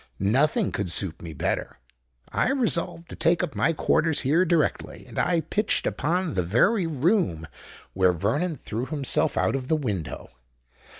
Nothing could suit me better: I resolved to take up my quarters here directly;—and I pitched upon the very room where Vernon threw himself out of the window.